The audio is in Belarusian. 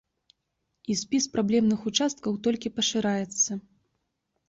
І спіс праблемных участкаў толькі пашыраецца.